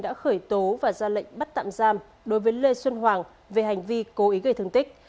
đã khởi tố và ra lệnh bắt tạm giam đối với lê xuân hoàng về hành vi cố ý gây thương tích